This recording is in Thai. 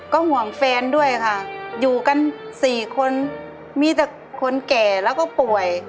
ก็ห่วงแฟนด้วยค่ะอยู่กัน๔คนมีแต่คนแก่แล้วก็ป่วย